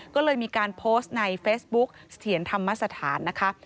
ก็เลยมีการโพสต์ในเฟซบุ๊กเสถียรธรรมสถานนะคะ